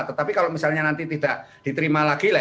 tetapi kalau misalnya nanti tidak diterima lagi